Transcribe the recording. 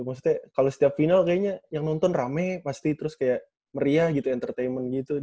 maksudnya kalau setiap final kayaknya yang nonton rame pasti terus kayak meriah gitu entertainment gitu